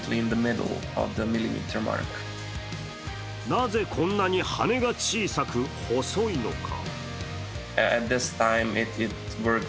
なぜこんなに羽根が小さく細いのか。